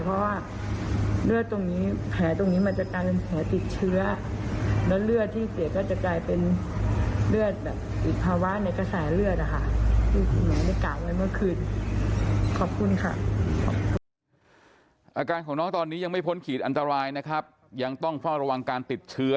เพราะว่าเลือดตรงนี้แผลตรงนี้มันจะกลายเป็นแผลติดเชื้อ